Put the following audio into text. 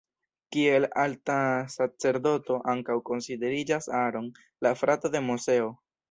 Kiel alta sacerdoto ankaŭ konsideriĝas Aaron, la frato de Moseo.